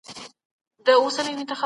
نوی نسل بايد د پوهي په وسله سمبال سي.